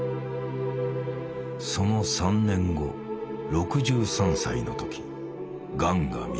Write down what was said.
その３年後６３歳の時がんが見つかった。